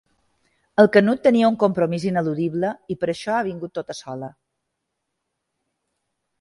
El Canut tenia un compromís ineludible i per això ha vingut tota sola.